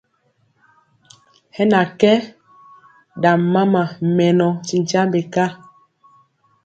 Hɛ na kɛ ɗam mama mɛnɔ ti nkyambe ka.